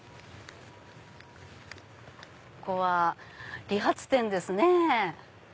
ここは理髪店ですね。